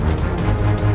biar saya bantu